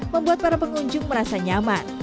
membuat para pengunjung merasa nyaman